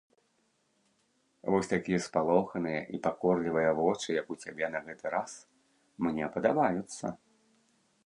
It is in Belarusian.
Вось такія спалоханыя і пакорлівыя вочы, як у цябе на гэты раз, мне падабаюцца.